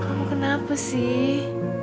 kamu kenapa sih